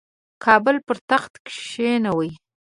کابل پر تخت کښېنوي.